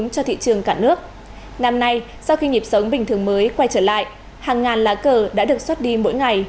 cho thị trường cả nước năm nay sau khi nhịp sống bình thường mới quay trở lại hàng ngàn lá cờ đã được xuất đi mỗi ngày